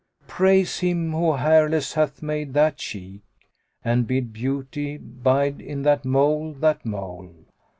[FN#87] Praise Him who hairless hath made that cheek * And bid Beauty bide in that mole, that mole!"